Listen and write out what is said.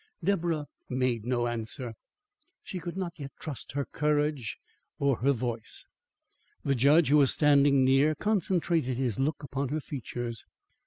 Deborah made no answer. She could not yet trust her courage or her voice. The judge, who was standing near, concentrated his look upon her features.